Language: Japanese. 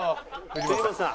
藤本さん。